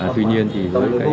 tuy nhiên thì